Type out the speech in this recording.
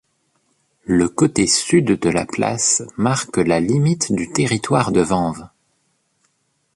Le côté sud de la place marque la limite du territoire de Vanves.